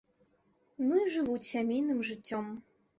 Ну і жывуць сямейным жыццём.